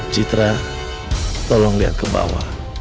citra tolong lihat ke bawah